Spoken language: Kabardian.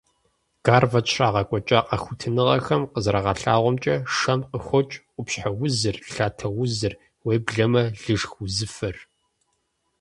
Гарвард щрагъэкӀуэкӀа къэхутэныгъэхэм къызэрагъэлъэгъуамкӀэ, шэм къыхокӀ къупщхьэ узыр, лъатэ узыр, уеблэмэ лышх узыфэр.